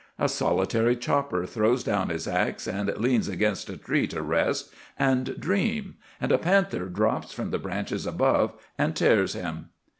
A solitary chopper throws down his axe and leans against a tree to rest and dream, and a panther drops from the branches above and tears him.